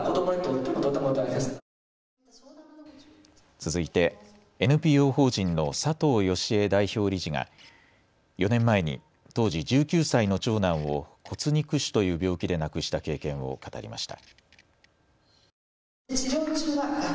続いてＮＰＯ法人の佐藤良絵代表理事が４年前に当時１９歳の長男を骨肉腫という病気で亡くした経験を語りました。